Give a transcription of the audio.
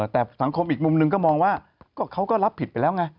แต่สังคมอีกมุมหนึ่งก็มองว่าเขาก็รับผิดไปแล้วไง